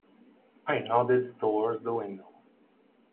I nodded towards the window.